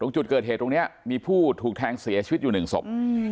จุดเกิดเหตุตรงนี้มีผู้ถูกแทงเสียชีวิตอยู่หนึ่งศพ